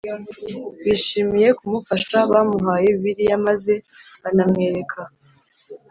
bishimiye kumufasha Bamuhaye Bibiliya maze banamwereka